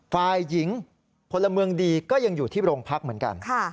ฝ่ายหญิงพลเมืองดีก็ยังอยู่ที่โรงพักเหมือนกัน